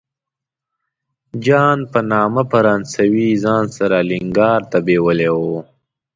جان په نامه فرانسوی یې ځان سره الینګار ته بیولی و.